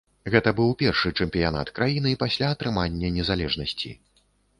Гэта быў першы чэмпіянат краіны пасля атрымання незалежнасці.